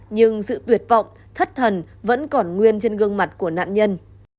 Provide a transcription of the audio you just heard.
nhưng sự tuyệt vọng thất thần vẫn còn nguyên trên gương mặt của nạn nhân